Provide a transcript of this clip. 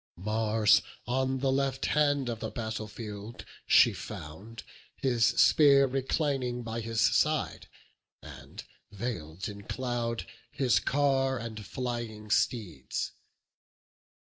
Mars on the left hand of the battle field She found, his spear reclining by his side, And, veil'd in cloud, his car and flying steeds.